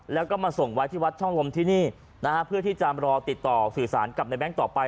แล้วก็มาส่งไว้ที่วัดช่องลมที่นี่นะฮะเพื่อที่จะรอติดต่อสื่อสารกับในแง๊งต่อไป